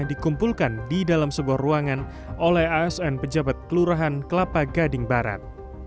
yang dikumpulkan di dalam sebuah ruangan oleh asn pejabat kelurahan kelapa gading barat